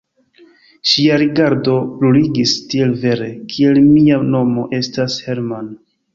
Ŝia rigardo bruligis, tiel vere, kiel mia nomo estas Hermann.